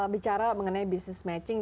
bicara mengenai business matching